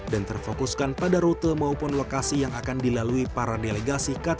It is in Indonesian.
dan terfokuskan pada rute maupun lokasi yang akan dilalui para delegasi ktt g dua puluh